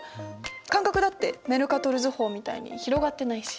間隔だってメルカトル図法みたいに広がってないし。